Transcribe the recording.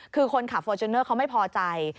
คือคนขับฟอร์จูเนอร์เขาไม่พอใจ